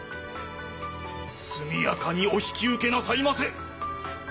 速やかにお引き受けなさいませ！